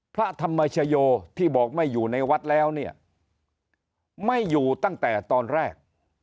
พระธรรมชโยที่บอกไม่อยู่ในวัดแล้วเนี่ยไม่อยู่ตั้งแต่ตอนแรก